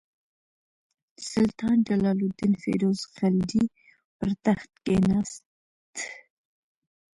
سلطان جلال الدین فیروز خلجي پر تخت کښېناست.